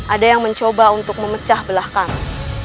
ada yang mencoba untuk memecah belah kami